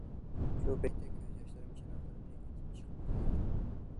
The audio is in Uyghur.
شۇ پەيتتە كۆز ياشلىرىم چاناقلىرىمدىن ئېتىلىپ چىقماقتا ئىدى.